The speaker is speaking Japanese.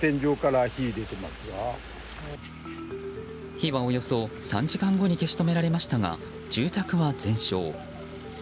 火はおよそ３時間後に消し止められましたが住宅は全焼。